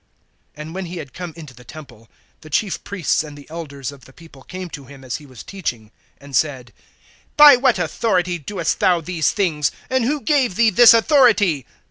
(23)And when he had come into the temple, the chief priests and the elders of the people came to him as he was teaching, and said: By what authority doest thou these things; and who gave thee this authority?